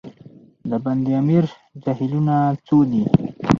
د بند امیر جهیلونه څو دي؟